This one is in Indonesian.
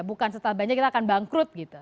bukan setelah belanja kita akan bangkrut